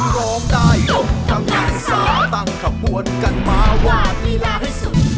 ร้องได้ยกกำลังซ่าตั้งขบวนกันมาวาดลีลาให้สนุก